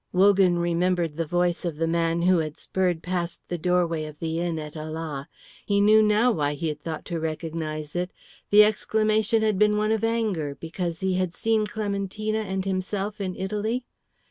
Wogan remembered the voice of the man who had spurred past the doorway of the inn at Ala. He knew now why he had thought to recognise it. The exclamation had been one of anger, because he had seen Clementina and himself in Italy?